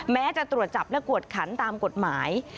แม้จะตรวจจับและกวดขันตามกฎหมาย